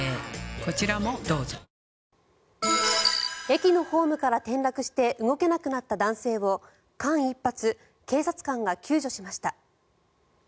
駅のホームから転落して動けなくなった男性を間一髪、警察官が救助しました。